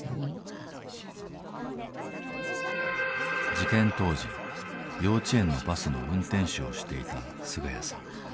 事件当時幼稚園のバスの運転手をしていた菅家さん。